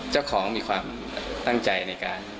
เจ้าของมีความตั้งใจในการ